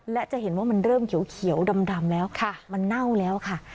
และจะเห็นว่ามันเริ่มเขียวดำแล้วมันเน่าแล้วค่ะ